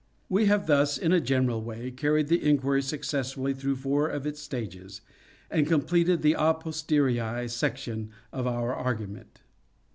We have thus, in a general way, carried the enquiry successfully through four of its stages, and completed the a posteriori section of our argument.